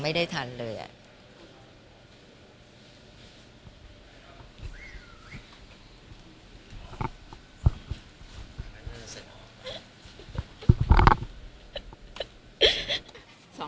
แม่นั้นจะเสร็จ